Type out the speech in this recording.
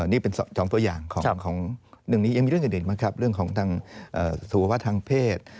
นี่เป็น๒ตัวอย่างของเรื่องนี้ยังมีเรื่องอื่นบ้างครับเรื่องของทางสูวะทางเพศ